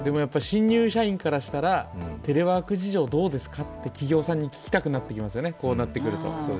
新入社員としたらテレワーク事情どうですかって企業さんに聞きたくなってきますよね、こうなると。